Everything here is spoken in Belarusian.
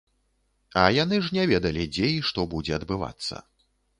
А яны ж не ведалі дзе і што будзе адбывацца.